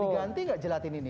bisa diganti enggak gelatin ini